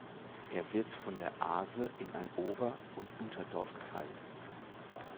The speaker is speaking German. Es wird von der Ahse in ein „Ober-“ und „Unterdorf“ geteilt.